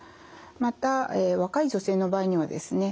また若い女性の場合にはですね